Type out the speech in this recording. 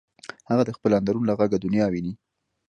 هغه د خپل اندرون له غږه دنیا ویني